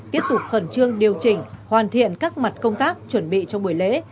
tiếp tục khẩn trương điều chỉnh hoàn thiện các mặt công tác chuẩn bị cho buổi lễ